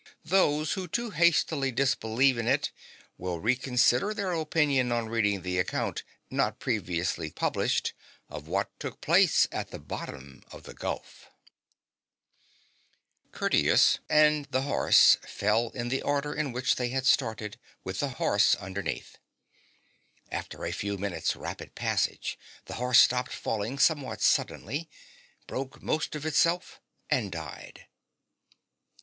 Those who too hastily dis believe in it will reconsider their opinion on reading the account, not previously published, of what took place at the bottom of the gulf 92 THE BOTTOM OF THE GULF Curtius and the horse fell in the order in which they had started, with the horse underneath. After a few minutes' rapid passage the horse stopped falling somewhat suddenly, broke most of itself, and died.